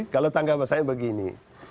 kalau tanggapannya begini